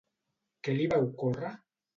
Què li va ocórrer?